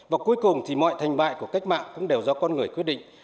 và cuối cùng thì mọi thành bại của cách mạng cũng đều do con người quyết định